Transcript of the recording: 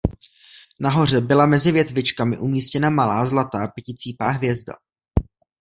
Nahoře byla mezi větvičkami umístěna malá zlatá pěticípá hvězda.